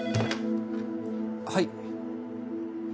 はい。